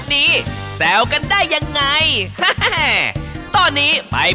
นี่เป็นนักร้องจริงไหม